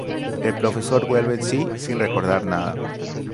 El profesor vuelve en si sin recordar nada.